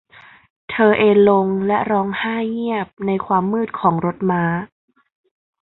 เธอเอนลงและร้องไห้เงียบในความมืดของรถม้า